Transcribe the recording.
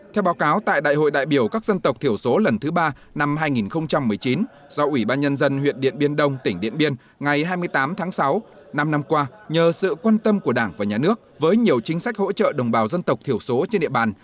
theo báo cáo tại đại hội đại biểu các dân tộc thiểu số lần thứ ba năm hai nghìn một mươi chín do ủy ban nhân dân huyện điện biên đông tỉnh điện biên ngày hai mươi tám tháng sáu năm năm qua nhờ sự quan tâm của đảng và nhà nước với nhiều chính sách hỗ trợ đồng bào dân tộc thiểu số trên địa bàn